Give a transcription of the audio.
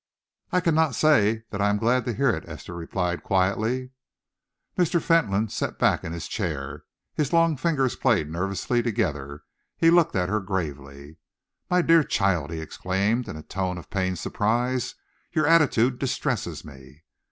"I cannot say that I am glad to hear it," Esther replied quietly. Mr. Fentolin sat back in his chair. His long fingers played nervously together, he looked at her gravely. "My dear child," he exclaimed, in a tone of pained surprise, "your attitude distresses me!"